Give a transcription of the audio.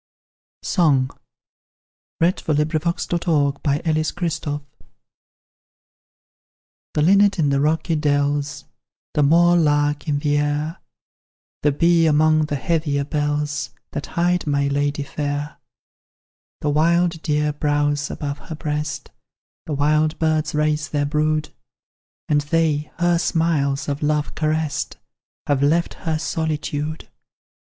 d heard no sighing, So I knew that he was dead. SONG. The linnet in the rocky dells, The moor lark in the air, The bee among the heather bells That hide my lady fair: The wild deer browse above her breast; The wild birds raise their brood; And they, her smiles of love caressed, Have left her solitude!